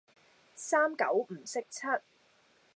三九唔識七